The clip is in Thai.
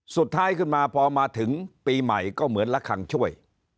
สุดท้ายขึ้นมาพอมาถึงปีใหม่ก็เหมือนละครั้งช่วย